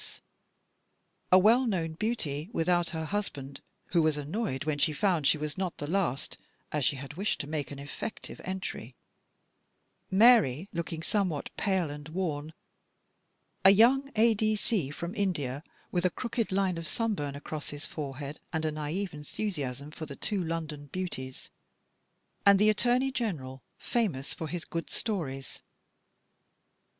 ness; a well known beauty without her husband, who was annoyed when she found that she was not the last, as she had wished to make an effective entry; Mary, looking pretty in a faint mauve dress ; a smart A. D. C. from India, with a crooked line of sun burn across his forehead and a naive enthusi asm for the two London beauties ; and the Attorney General, famous for his good stories.